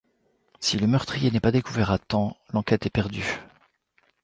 Si le meurtrier n'est pas découvert à temps, l'enquête est perdue.